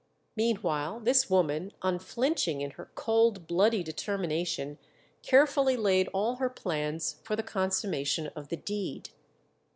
Meanwhile this woman, unflinching in her cold, bloody determination, carefully laid all her plans for the consummation of the deed.